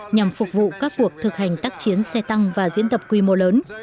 nhằm phục vụ các cuộc thực hành tác chiến xe tăng và diễn tập quy mô lớn